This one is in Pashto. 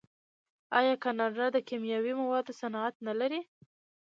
آیا کاناډا د کیمیاوي موادو صنعت نلري؟